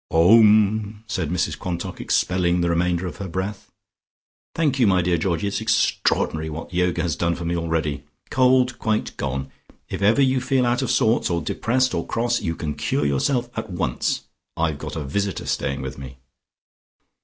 "Om," said Mrs Quantock, expelling the remainder of her breath. "Thank you, my dear Georgie. It's extraordinary what Yoga has done for me already. Cold quite gone. If ever you feel out of sorts, or depressed or cross you can cure yourself at once. I've got a visitor staying with me."